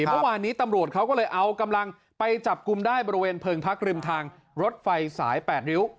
เมื่อวานนี้ตำรวจเขาก็เลยเอากำลังไปจับกลุ่มได้บริเวณเพิงพักริมทางรถไฟสาย๘ริ้ว